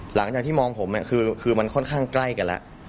หลังจากที่มองผมคือมันค่อนข้างใกล้กันแล้ว